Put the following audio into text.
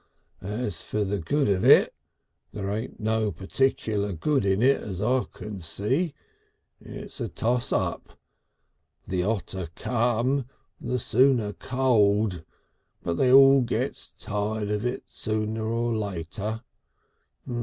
As for the good of it, there ain't no particular good in it as I can see. It's a toss up. The hotter come, the sooner cold, but they all gets tired of it sooner or later....